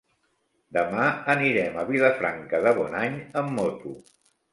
Demà anirem a Vilafranca de Bonany amb moto.